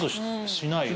しないよ。